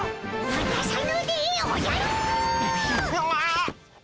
わたさぬでおじゃる！